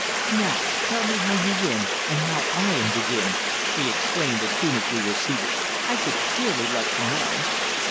"Now tell me how you win, and how I am to win," she exclaimed, as soon as we were seated. "I should dearly love to know."